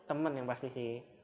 temen yang pasti sih